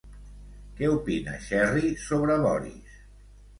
Què opina Cherry sobre Boris?